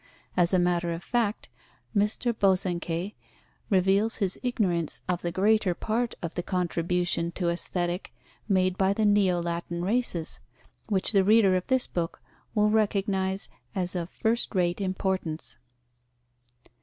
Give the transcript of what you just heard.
As a matter of fact, Mr. Bosanquet reveals his ignorance of the greater part of the contribution to Aesthetic made by the Neo Latin races, which the reader of this book will recognize as of first rate importance.